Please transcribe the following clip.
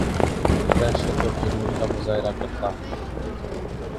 وحشت اورجنون کا مظاہرہ کرتا ہوں